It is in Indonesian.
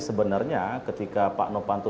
sebenarnya ketika pak nopanto